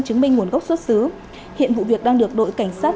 chứng minh nguồn gốc xuất xứ hiện vụ việc đang được đội cảnh sát